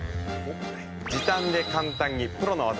時短で簡単にプロの技。